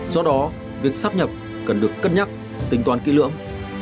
do đó việc sắp nhập cần được cân nhắc tính toán kỹ lưỡng